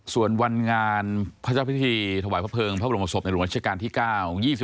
ส่วนวันงานพระเจ้าพิธีถวายพระเภิงพระบรมศพในหลวงรัชกาลที่๙